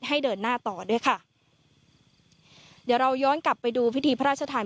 ให้เดินหน้าต่อด้วยค่ะเดี๋ยวเราย้อนกลับไปดูพิธีพระราชทาน